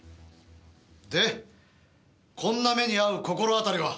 でこんな目に遭う心当たりは？